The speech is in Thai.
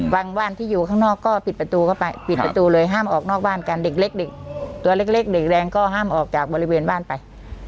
บ้านที่อยู่ข้างนอกก็ปิดประตูเข้าไปปิดประตูเลยห้ามออกนอกบ้านกันเด็กเล็กเด็กตัวเล็กเด็กแรงก็ห้ามออกจากบริเวณบ้านไป